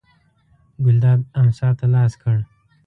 ګلداد امسا ته لاس کړ.